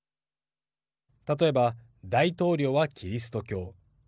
例えば、大統領はキリスト教。